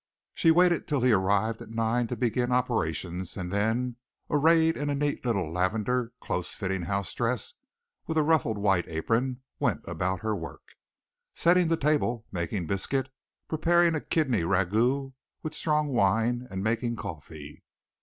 She waited till he arrived at nine to begin operations and then, arrayed in a neat little lavender, close fitting house dress, and a ruffled white apron, went about her work, setting the table, making biscuit, preparing a kidney ragout with strong wine, and making coffee.